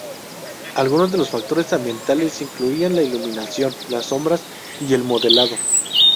Algunos de los factores ambientales incluían la iluminación, las sombras y el modelado.